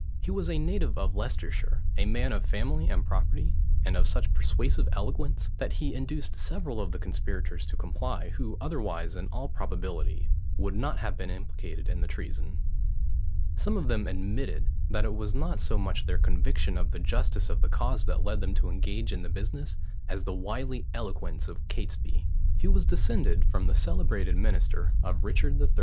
He was a native of Leicestershire: a man of family and property, and of such persuasive eloquence, that he induced several of the conspirators to comply, who otherwise, in all probability, would not have been implicated in the treason. Some of them admitted, that it was not so much their conviction of the justice of the cause that led them to engage in the business, as the wily eloquence of Catesby. He was descended from the celebrated minister of Richard III.